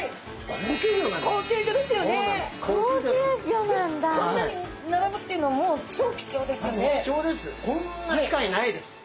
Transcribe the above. こんなに並ぶっていうのはもう超貴重ですよね。